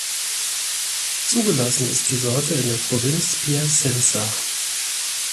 Zugelassen ist die Sorte in der Provinz Piacenza.